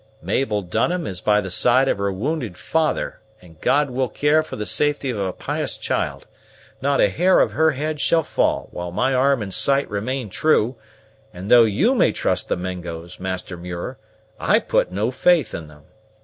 "Mabel Dunham is by the side of her wounded father, and God will care for the safety of a pious child. Not a hair of her head shall fall, while my arm and sight remain true; and though you may trust the Mingos, Master Muir, I put no faith in them.